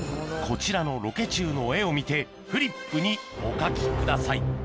こちらのロケ中の画を見てフリップにお書きください